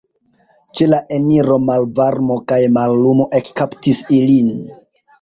Ĉe la eniro malvarmo kaj mallumo ekkaptis ilin.